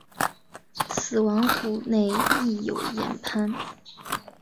死亡谷内亦有盐磐。